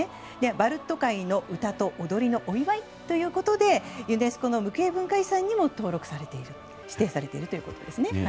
「バルト海の歌と踊りのお祝い」ということでユネスコの無形文化遺産にも指定されているということです。